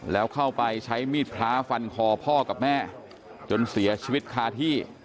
แล้วเข้าไปใช้มีดพระฟันคอพ่อกับแม่จนเสียชีวิตคาที่